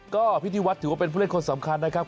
ก็พิธีวัฒน์ถือว่าเป็นผู้เล่นคนสำคัญนะครับ